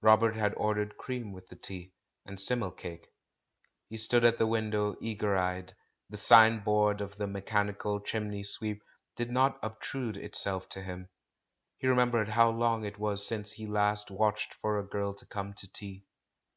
Robert had ordered cream with the tea, and simnel cake. He stood at the window eager eyed; the sign board of the "mechanical chimney sweep" did not obtrude itself to him. He remembered how long it was since he last watched for a girl to come to tea.